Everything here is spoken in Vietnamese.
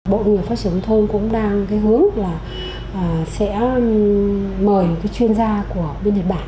bộ nghị phát triển thông cũng đang hướng là sẽ mời chuyên gia của bên nhật bản sang